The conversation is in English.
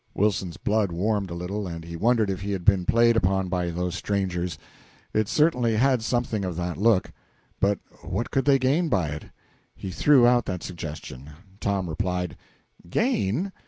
Wilson's blood warmed a little, and he wondered if he had been played upon by those strangers; it certainly had something of that look. But what could they gain by it? He threw out that suggestion. Tom replied: "Gain?